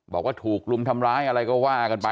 บอกว่าถูกรุมทำร้ายอะไรก็ว่ากันไป